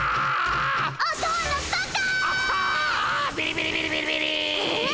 ビリビリビリビリ。